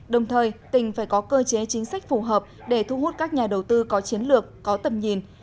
đồng thời tỉnh phải có cơ chế chính sách phù hợp để thu hút các nhà đầu tư có chiến lược có tầm nhìn